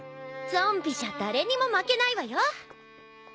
ゾンビじゃ誰にも負けないわよ。